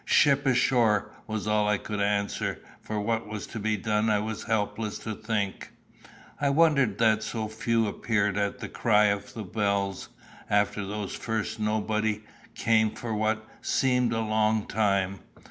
"Ship ashore!" was all I could answer, for what was to be done I was helpless to think. I wondered that so few appeared at the cry of the bells. After those first nobody came for what seemed a long time.